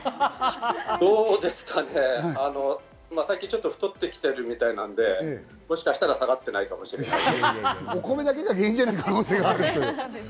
どうですかね、最近ちょっと太ってきているみたいなので、もしかしたら下がっていないかもしれません。